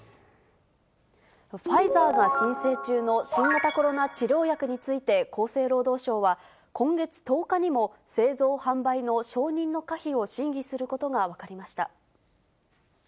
ファイザーが申請中の新型コロナ治療薬について、厚生労働省は今月１０日にも製造・販売の承認の可否を審議することが分かりました。